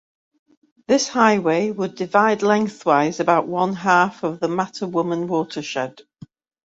This highway would divide lengthwise about one-half of the Mattawoman watershed.